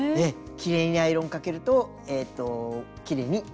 きれいにアイロンかけるときれいに縫えます。